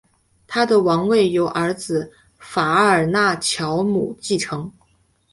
他的王位由儿子法尔纳乔姆继承。